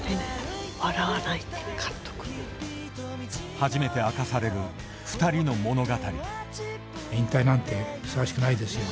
初めて明かされる２人の物語。